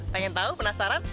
pengen tahu penasaran